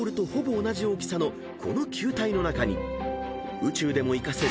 ［宇宙でも生かせる